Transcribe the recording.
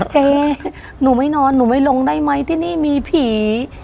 เจ๊หนูไม่นอนหนูไม่ลงได้ไหมที่นี่มีผี